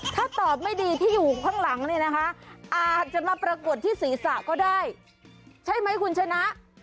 ถ้าตอบไม่ดีที่อยู่ข้างหลังเนี่ยนะคะอาจจะมาปรากฏที่ศีรษะก็ได้ใช่ไหมคุณชนะ